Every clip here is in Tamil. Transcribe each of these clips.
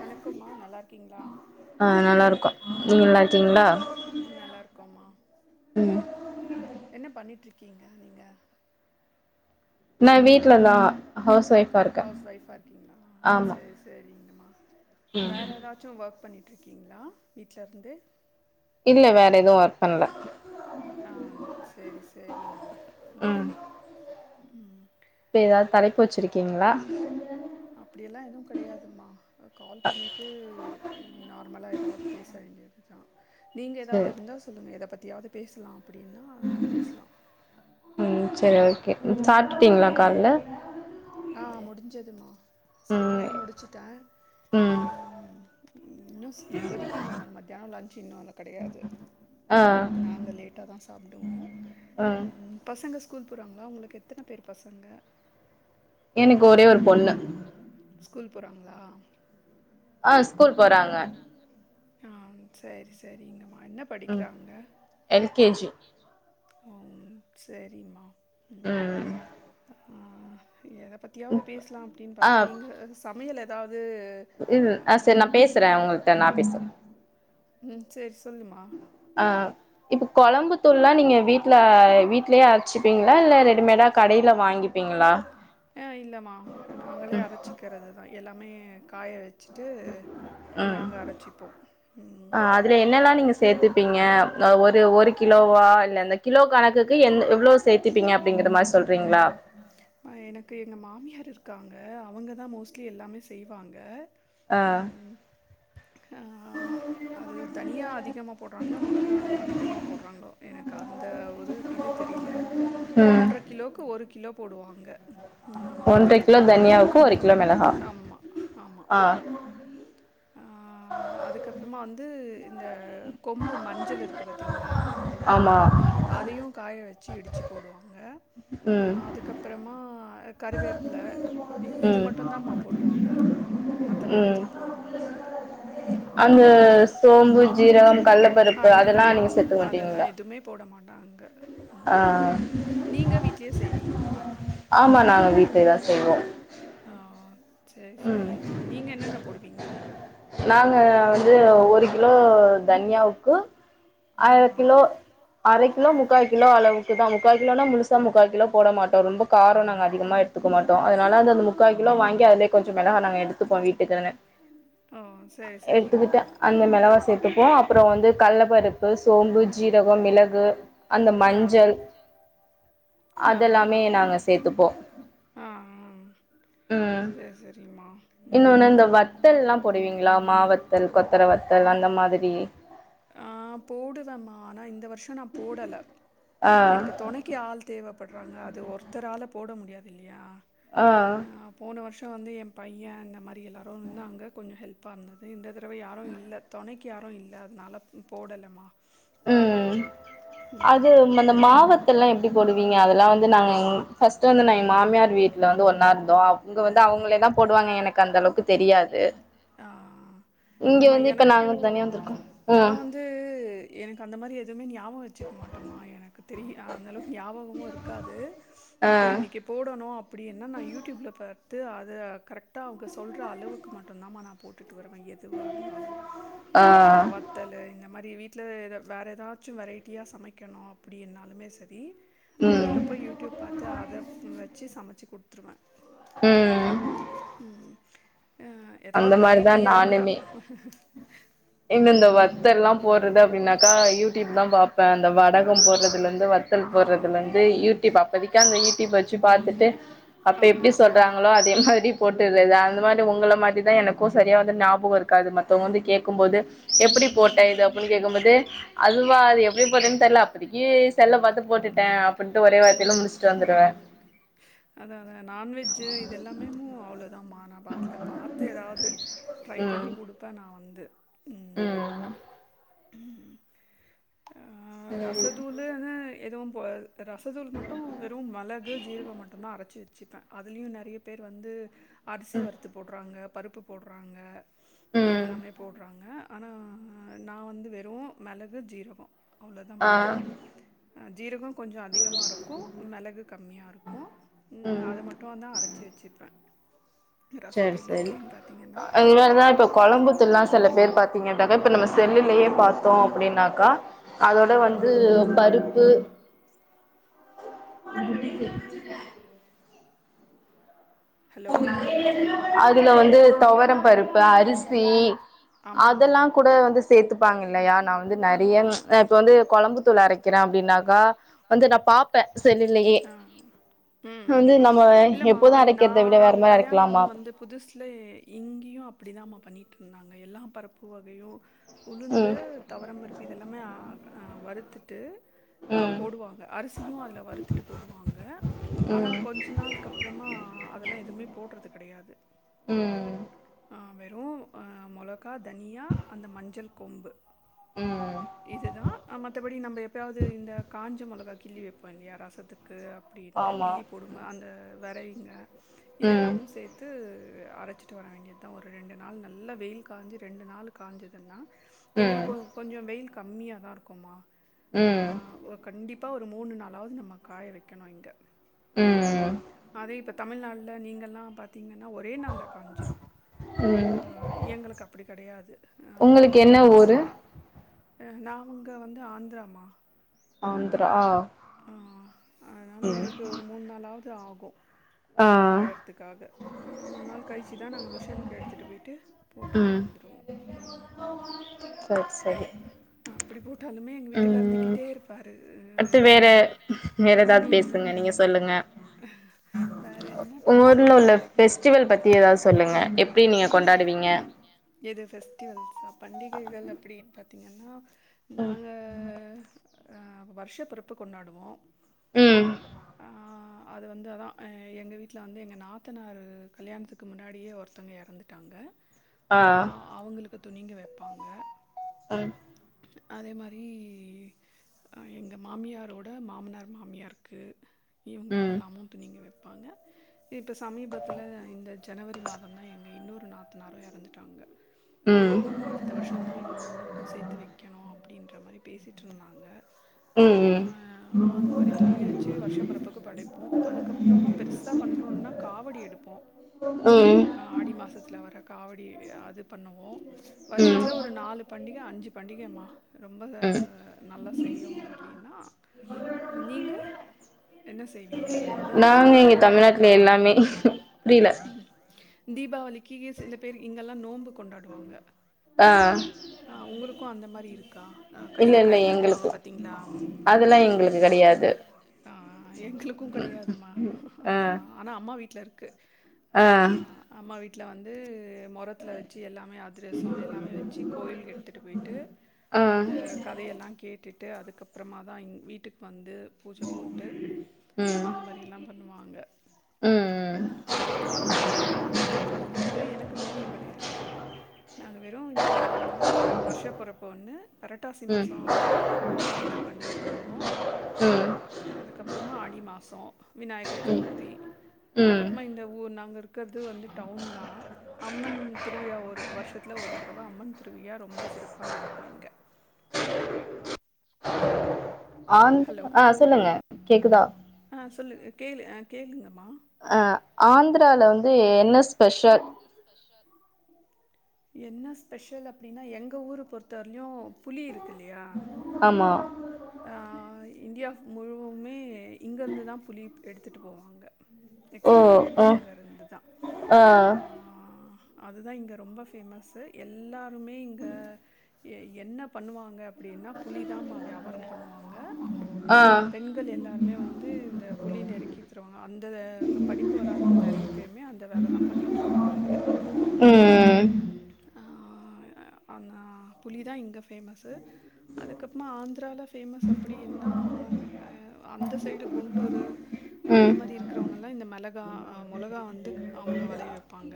வணக்கோம்மா நல்லாருக்கீங்ளா ஆ நல்லா இருக்கோ நீங்க நல்லா இருக்கீங்ளா ம் நல்லாருக்கோம்மா என்ன பண்ணிட்ருக்கீங்க நீங்க நா வீட்லதா ஹவுஸ் ஒய்ஃப் ஹவுஸ் ஒய்ஃபா இருக்கீங்ளா சேரி சேரிங்கமா வேற எதா ச்சு ஒர்க் பண்ணிட்ருக்கீங்ளா வீட்ல இருந்து இல்ல வேற எது ஒர்க் பண்ணல ஆ சேரி சேரிமா ம் ம் இப்ப எதாது தலைப்பு வச்சிருக்கீங்ளா அப்டியெல்லா எதூ கெடையாதுமா அ கால் பண்ணிட்டு நார்மலா எதாவ்து பேச வேண்டியது தா நீங்க எதாவ்து இருந்தா சொல்லுங்க எத பத்தியாவ்து பேசுலா அப்புடினா பேஸ்லா ம் சேரி ஓகே சாப்ட்டுட்டீங்ளா காலேல ஆ முடிஞ்சதுமா சமையல முடிச்சுட்ட ஆ ம் இன்னுஸ் இப்போதிக்கு இங்க ஆனாலு மத்தியானோ லஞ்ச்சு இன்னு அதா கெடையாது நா நாங்க லேட்டாதா சாப்டுவோ ம் பசங்க ஸ்கூல் போறாங்ளா உங்ளுக்கு எத்தன பேரு பசங்க எனக்கு ஒரே ஒரு பொண்ணு ஸ்கூல் போறாங்ளா ஆ ஸ்கூல் போறாங்க ஆ சேரி சரிங்கமா என்ன படிக்குறாங்க ம் சேரிம்மா ம் ஆ எத பத் தியாவது பேசலா அப்டின்னு பாத்தா நீங்க சமையல் ஏதாவது ம் ஆ சரி நா பேசுற அவங்கள்ட்ட நா பேசற ம் சேரி சொல்லுமா ஆ இப்போ கொழம்பு தூள்லா நீங்க வீட்ல வீ்ட்லயே அரைச்சிப்பீங்களா இல்ல ரெடிமேடா கடையில வாங்கிப் கிப்பிங்களா அ இல்லம்மா நாங்களே அரைச்சிக்கிறது தா எல்லாமே காய வச்ச வச்சுட்டு நாங்க அரச்சிப்போ இதுல என்னெல்லா நீங்க சேத்துப்பீங்க ஒரு ஒரு கிலோவா இல்ல இந்த கிலோ கணக்குக்கு என் எவ்ளோ சேத்திப்பிங்க அப்டிங்கற மாதிரி சொல்றீங்களா எனக்கு எங்க மாமியார் இருக்காங்க அவங்கதா மோஸ்ட்லி எல்லாமே செய்வாங்க ஆ ஆ அது தனியா அதிகமாக போட்றாங்களோ மொளகா அதிகமா போட்றாங்களோ எனக்கு அந்த ஒரு இது தெரியல ஒன்றரை கிலோக்கு ஒரு கிலோ போடுவாங்க ம் ஆமா ஆமா அதுக்கப்புறமா வந்து இந்த கொம்பு மஞ்சள் இருக்கு பாத்தீங்களா அதையு காய வச்சு இடிச்சு போடுவாங்க ஆ அதுக்கப் அப்புறமா கருவேப்பில இது மட்டுதாம்மா போடுவாங்க மத்த வேறு எதுவு போட மாட்டாங்க ஆ இல்லமா அதெல்லா எதுவுமே போட மாட்டாங்க ம் ஆ நீங்க வீட்லயே செய்வீங்களா ஆமா நாங்க வீட்லேதா செய்வோ ஆ சேரி சேரிம்மா நீங்க என்னென்ன போடுவீங்க நாங்க வந்து ஒரு கிலோ தன்யாவுக்கு அரக்கிலோ அர கிலோ முக்கா கிலோ அளவுக்குதா முக்கா கிலோனா முழுசா முக்கா கிலோ நா போட மாட்டோ ரொம்ப காரம் நாங்க அதிகமா எடுத்துக்க மாட்டோ அதனால அந்த முக்கா கிலோ வாங்கி அதுல கொஞ்ச மிளகா நாங்க எடுத்துப்போ வீட்டுக்கினு ம் சேரி சேரிம்மா அந்த மிளகா சேத்துப்போ அப்புற வந்து கல்லப்பருப்பு சோம்பு ஜீரகம் மிளகு அந்த மஞ்சள் அதெல்லாமே நாங்க சேத்துப்போ ம் ம் மா இன்னொன்னு இந்த வத்தல் எல்லா போடுவீங்களா மா வத்தல் கொத்தர வத்தல் அந்த மாதிரி ஆ போடுவேமா ஆனா இந்த வருஷம் நா போடல எனக்கு துனைக்கி ஆள் தேவப்படுறாங்க அது ஒருத்தரால போட முடியாது இல்லயா ஆ போன வருஷம் வந்து எ பையன் அந்த மாரி எல்லோரு நின்னாங்க கொஞ்ச ஹெல்ப்பா இருந்தது இந்த தடவ யாரு இல்ல தொணைக்கி யாரு இல்லாத னால போடலமா ம் அதுஇந்த மா வத்த எல்லா எப்டி போடுவீங்க அதெல்லா வந்து நாங்க பஸ்ட் வந்து நா எங்க மாமியார் வீட் ல வந்து ஒன்னா இருந்தோ அவுங்க வந்து அவுங்களேதா போடுவாங்க எனக்கு அந்த அளவுக்கு தெரியாது இங்க வந்து இப்ப நாங்க தனியா வந்திருக்கோ ஆ த்தூ எனக்கு அந்த மாரி எதுவுமே ஞாபக வெச்சிக்க மாட்டமா எனக்கு தெரியு அ அந்த அளவுக்கு ஞாபகமு இருக்காது இப்போ இன்னக்கி போடணு அப்டியென்னா நா யூடிப்புல பாத் துஅத கரெக்டா அவுங்க சொல்ற அளவுக்கு மட்டுவ் தாமா நா போட்டுட்டு வருவே எ துவா இருந்தாலு இந்த வத்தல் இந்த மாரி வீட்டுல வேற ஏதாச்சு வெரைட் தியா சமைக்கணு அப்டினாலுமே சரி அப்பதிக்கி அப்ப யூடியூப் பாத்து அத வெச்சு சமைச்சு குடுத்துருவே ம் அ ஏதாவது வெரைட்டியா இருந்தா ஏங்க இந்த வத்தல் எல்லா போட்றது அப்டினாக்கா யூடியூப் தா பாப் ப அந்த வடகம் போட்றதுல இருந்து வத்தல் போட்றதுல இருந்து யூ அப்போதிக்கி யூடீப் வெச்சு பாத்துட்டு அப்ப எப்டி சொல்றாங்களோ அதே மாதிரி போட்டுறது அந்த மாதிரி உங்கள மாதிரி தா எனக்கு சரிய வந்து ஞாபகோ இருக்காது மத்தவங்க வந்து கேக் கும் போது எப்டி போட்ட இது அப்டினு கேக்கும்போது அதுவா அது எப்டி போட்டன்தெர்ல அப்பதிக்கி செல்ல பாத்து போட்டுட்டே அப்டின்ட்டு ஒரே வார்த்தையில முடிச்சுட்டு வந்துருவே அத அத நான்வெஜ்ஜு இது எல்லாமேமூ அவ்ளோதாமா ப அதுல பாத்து எதாவது ட்ரை பண்ணி குடுப்ப நா வந்து ம் ஆ ரசதூளூ எதுவு போ ரசதூள் மட்டு வெறு மெளகு ஜீரக மட்டுந்தா அரைச்சி வெச்சுப்பே அதுலயு நெறைய பேர் வந்து அரிசி வறுத்து போட்றாங்க பருப்பு போட்றாங்க இது எல்லாமே போட்றாங்க ஆனா நா வந்து வெறுமமிளகு ஜீரக் அவ்ளோதா போடுவே ஜீரகோ கொஞ்ச அதிகமாக இருக்கு மெளகு கம்மியா இருக்கு ம் நா அது மட்டு வந்தா அரைச்சி வெச்சுப்பே ரசதூளு எப்புடின் பாத்தீங்கனா எல்லா சில பேர் பாத்தீங்கன்டாக்க இப்ப நம்ம செல்லுலயே பாத்தோ அப்புடின்னாக்கா அதோட வந்து பருப்பு அதுல வந்து துவரம் பருப்பு அரிசி அதெல்லா கூட வந்து சேத்துப்பாங்க இல்லையா நா வந்து நெறைய அ இப்ப வந்து கொழம்பு தூள் அரைக்கிறே அப்புடின்னாக்கா வந்து நா பாப்பே செல்லுலையே வந்து நம்ம எப்போது அரைக்கிறத விட வேற மாரி அரைக்லாமா புதுசுல இங்கியு அப்புடிதாமா பண்ணிட்ருந்தாங்க எல்லா பருப்பு வகையு உளுந்து தொவரம்பருப்பு இதெல்லாமே அ அ வருத்துட்டு அ போடுவாங்க அரிசியு அதுல வருத்துட்டு போடுவாங்க ஆனா கொஞ் ச்ச நாளுக் அப்புறமா அதெல்லா எதுவுமே போட்றது கெடையாது ம் அ வெறு மொளகா தனியா அந்த மஞ்சள் கொம்பு இதுதா அ மத்தபடி நம்ம எப்பவாது இந்த காஞ்ச ச மொளகா கிள்ளி வெப்பே இல்லையா ரசத்துக்கு அப்டின்ட்டு கிள்ளி போடுவ அந்த வெரைங்க இதெல்லாமு சேத் து அரைச்சிட்டு வர வேண்டியத் தா ஒரு ரெண்டு நாள் நல்லா வெயில் காயஞ்சி ரெண்டு நாள் காய்ஞ்சதுன்னா எங்குளுக்கு கொஞ்ச வெயில் கம்மியாதா இருக்குமா ம் ஓ கண்டிப்பா ஒரு மூணு நாளாவது நம்ம காய வைக்கணும் இங்க அதே பத்தி தமிழ்நாட்டுல நீங்களெலாம் பார்த்தீங்கன்னா ஒரே நாளில் காஞ்சிரும் எங்களுக்கு அப்படி கிடையாது ஒரு நாங்க வந்து ஆந்திராமா ஆந்திரா ஆ ஆ அதனால எங்களுக்கு ஒரு மூணு நாளாவது ஆகும் அது காயறத்துக்காக மூணு நாள் கழிச்சு தான் நாங்கள் மிஷினுக்கு எடுத்துகிட்டு போயி்ட்டு போட்டுட்டு வந்துருவோம் ம் சரி சரி அப்படி போட்டாலுமே எங்க வீட்டுக்காரர் திட்டிட்டே இருப்பாரு அடுத்து வேற வேற எதாவது பேசுங்க நீங்க சொல்லுங்க ஊர்ல உள்ள ஃபெஸ்டிவல் பத்தி ஏதாவது சொல்லுங்க எப்படி நீங்க கொண்டாடுவீங்க எது ஃபெஸ்டிவல்ஸா பண்டிகைகள் அப்படின்னு பாத்தீங்கன்னா நாங்க வருஷ பிறப்பு கொண்டாடுவோம் ஆ அது வந்த தான் எங்கள் வீட்டில் வந்து எங்கள் நாத்தனார் கல்யாணத்துக்கு முன்னாடியே ஒரு ஒருத்தங்க இறந்துட்டாங்க ஆ அவங்களுக்கு துணிங்க வைப்பாங்க ம் அதே மாதிரி எங்க மாமியாரோட மாமனார் மாமியாருக்கு இவங்களுக்கெல்லாமும் துணிங்க வைப்பாங்க இப்போ சமீபத்தில இந்த ஜனவரி மாத இன்னொரு நாத்தனாரும் இறந்துட்டாங்க அடுத்த அடுத்த வருஷம் தான் இன்னும் அவங்களுக்கும் சேர்த்து வைக்கணும் அப்படின்ற மாதிரி பேசிட்டு இருந்தாங்க அந்த மாதிரி துணிங்க வச்சு வருஷப்பிறப்புக்கு படைப்போம் அதுக்கப்புறமா பெருச பெருசா பண்றோன்னா காவடி எடுப்போம் ம் ஆடி மாசத்தில வர காவடி அது பண்ணுவோம் வருஷத்துல ஒரு நாலு பண்டிக அஞ்சு பண்டிகமா ரொம்ப நல்லா செய்யோ அப்டின்னா நீங்க என்ன செய்வீங்க நாங்க எங்க தமிழ்நாட்டுல எல்லாமே புரில தீபாவளிக்கி சில பேர் இங்கெல்லா நோம்பு கொண்டாடுவாங்க அ உங்களுக்கு அந்த மாரி இருக்கா கையில கயிறு கட்டுவாங்க பாத்தீங்களா எங்களுக்கும் கெடையாதும்மா அதெல்லாம் ஆனா அம்மா வீட்ல இருக்கு அ அம்மா வீட் வீட்ல வந்து மொரத்ல வெச்சி எல்லாமே அதிரசோ எல்லாமே வெச்சி கோயிலுக்கு எடுத்துட்டு போயிட்டு அந்த கதையெல்லா கேட்டுட்டு அதுக்கப்றமா தா இங் வீட்டுக்கு வந்து பூஜைப் போட்டு அந்த மாரில்லா பண்ணுவாங்க ம் அ அவுங்ளுக்கு இருக்கு எனக்கு நோம்பு கெடையாது நாங்க வெறும் இந்த வருஷ பிறப்பு ஒண்ணு புரட்டாசி மாசோ அந்தப் பண்டிக பண்ணுவோ அ அ அதுக்கப்றமா ஆடி மாசோ விநாயகர் சதுர்த்தி அதுக்கப்றமா இந்த ஊர் நாங்க இருக்கற்து வந்து டவுன் தா அம்மன் திருவிழா ஒரு வர்ஷத்துல ஒரு தரவ அம்மன் திருவியா ரொம்ப சிறப்பா நடக்கு இங்க ஆந்த் அ சொல்லுங்க கேக்குதா அ ஆந்த்ரால வந்து என்ன ஸ்பெஷல் என்ன ஸ்பெஷல் அப்டின்னா எங்க ஊரு பொறுத்த வர்ல்யு புளி இருக்கில்லயா ஆமா அ இண்டியா முழுவமே இங்கருந்து தா புளி எடுத்துட்டு போவாங்க எக்ஸ்போட் ஆகு இங்கருந்து தா ஆ அதுதா இங்க ரொம்ப ஃபேமஸ்ஸு எல்லாருமே இங்க எ என்ன பண்ணுவாங்க அப்டினா புளிதாமா வியாபாரோ பண்ணுவாங்க அ பெண்கள் எல்லா ருமே வந்து இந்த புளி நெறுக்கி தருவாங்க அந்த இத படிப்பு வராதவங்க நறைய பேர்மே அந்த வேல தா பண்ணிட் ருக்காங்க இங்க ம் ஆ ஆனா புளி தா இங்க ஃபேமஸ்ஸு அதுக்கப்மா ஆந்த்ரால ஃபேமஸ் அப்டின்னா அ அந்த சைடு குண்ட்டூரு அந்த மாரி இருக்கறவங்கல்லா இந்த மெளகா அ மொளகா வந்து அவுங்க வளைய வெப்பாங்க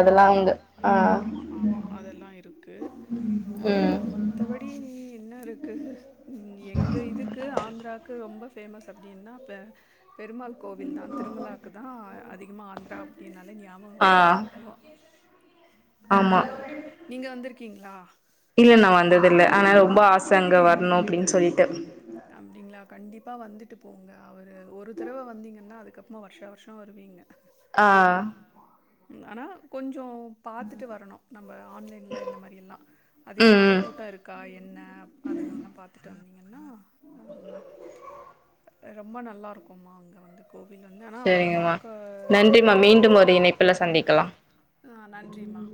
ஆமா ஆமா ஆமா அதெல்லா இரு க்கு வே மத்தப்படி இனி என்னருக்கு ம் எங்க இதுக்கு ஆந்த்ரா க்கு ரொம்ப ஃபேமஸ் அப்டின்னா இப்ப பெருமாள் கோவில் தா திருமலாக்கு தா அ அதிகமாக ஆந்த்ரா அப்டினாலே ஞாபகோ வரு எல்லார்க்கு நீங்க வந்துருக்கீங்ளா இல்ல நா வந்ததுல்ல ஆனா ரொம்ப ஆச அங்க வர்ணு அப்டின் சொல்லிட்டு அப்டிங்ளா கண்டிப்பா வந்துட்டு போங்க அவரு ஒரு தரவ வந்தீங்கன்னா அதுக்கப் றமா வர்ஷா வர்ஷோ வருவீங்க ஆ ம் ஆனா கொஞ்சோ பாத்துட்டு வரணு நம்ப ஆன்லைன்ல இந்த மாரி எல்லா அதிகமான கூட்டோ இருக்கா என்ன அதுங்கல்லா பாத்துட்டு வந் தீங்கன்னா அம் அ ரொம்ப நல்லாருக்கும்மா அங்க வந்து கோவில் வந்து ஆனா அவர பாக்க புல சந்திக்கலா அ நன்றிமா